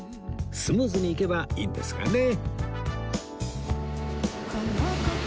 スムーズにいけばいいんですがね